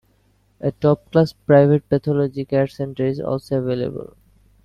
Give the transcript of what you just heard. A top class private pathology care center is also available.